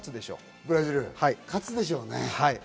ブラジル勝つでしょうね。